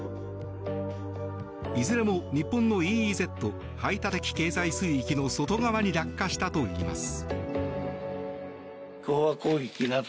いずれも、日本のＥＥＺ・排他的経済水域の外側に落下したといいます。